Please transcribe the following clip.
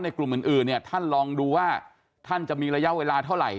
กลุ่มอื่นเนี่ยท่านลองดูว่าท่านจะมีระยะเวลาเท่าไหร่